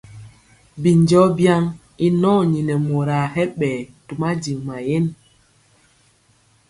Binjɔɔ byaŋ i nɔɔni nɛ moraa hɛ ɓɛɛ to madiŋ mayen.